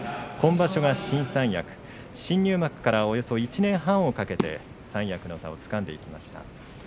今場所が新三役新入幕からおよそ１年半をかけて三役の座をつかみました。